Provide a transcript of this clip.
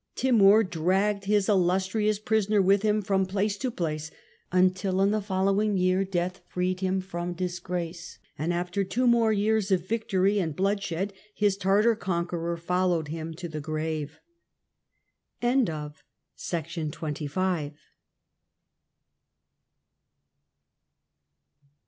Timour dragged his illustrious prisoner with him from place to place, until in the following year death freed him from disgrace, and after two more years of victory and bloodshed his Tartar conqueror followed him to the grave.